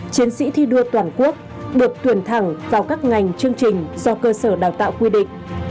chiến sĩ thi đua toàn quốc được tuyển thẳng vào các ngành chương trình do cơ sở đào tạo quy định